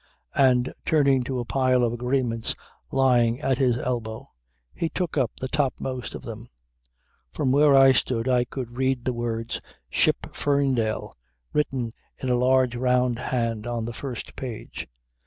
And turning to a pile of agreements lying at his elbow he took up the topmost of them. From where I stood I could read the words: "Ship Ferndale" written in a large round hand on the first page.